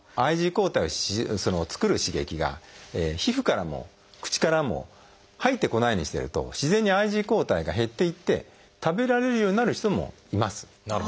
ＩｇＥ抗体を作る刺激が皮膚からも口からも入ってこないようにしてると自然にＩｇＥ抗体が減っていって食べられるようになる人もいます。